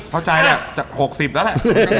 เข้าใจจาก๖๐แล้วแหละ